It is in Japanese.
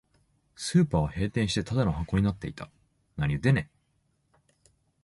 スーパーは閉店して、ただの箱になっていた